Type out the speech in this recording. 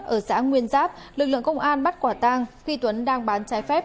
ở xã nguyên giáp lực lượng công an bắt quả tang khi tuấn đang bán trái phép